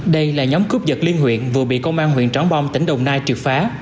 đây là nhóm cướp dật liên huyện vừa bị công an huyện tróng bông tỉnh đồng nai trượt phá